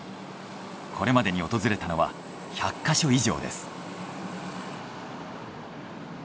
これまでに訪れたのは１００か所以上です。